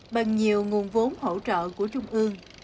bằng nhiều nguồn vốn hỗ trợ của trung ương